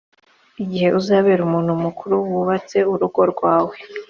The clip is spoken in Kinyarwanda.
igihe uzabera umuntu mukuru wubatse urugo rwawe